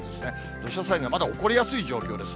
土砂災害、まだ起こりやすい状況です。